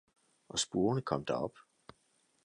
og spurvene kom derop.